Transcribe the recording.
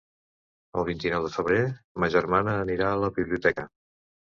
El vint-i-nou de febrer ma germana anirà a la biblioteca.